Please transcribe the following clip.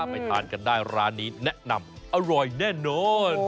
ไปทานกันได้ร้านนี้แนะนำอร่อยแน่นอน